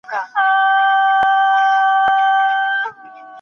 ايا سياستوال د ټولنې د خیر لپاره هڅه کوي؟